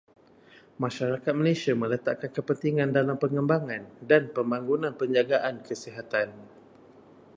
Masyarakat Malaysia meletakkan kepentingan dalam pengembangan dan pembangunan penjagaan kesihatan.